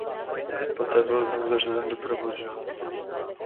Poté byl znovu zařazen do provozu.